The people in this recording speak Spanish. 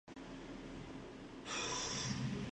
Es uno de los puentes de hierro de Las Hoyas.